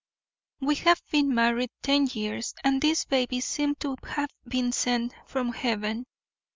"We have been married ten years and this baby seemed to have been sent from heaven.